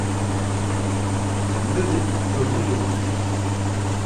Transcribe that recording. Memet̆i gyodzit̆u biç̌is.